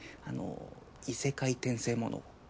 あの異世界転生もの。